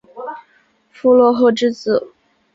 傅勒赫之子。